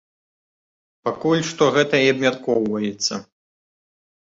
Пакуль што гэта і абмяркоўваецца.